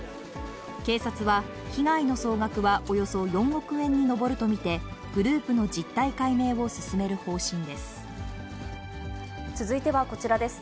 警察は、被害の総額はおよそ４億円に上ると見て、グループの実態解明を進める方針です。